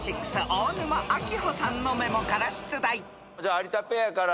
有田ペアから。